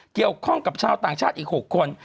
เกี่ยวข้องกับชาวต่างชาติอีก๖คน